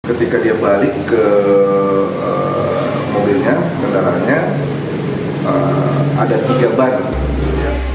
ketika dia balik ke mobilnya kendaraannya ada tiga ban